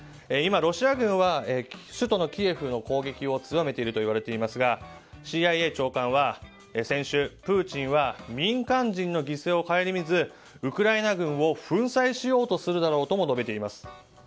今、ロシア軍は首都キエフの攻撃を強めているといわれていますがＣＩＡ長官は先週、プーチンは民間人の犠牲をかえりみずウクライナ軍を粉砕しようとするだろうとも述べています。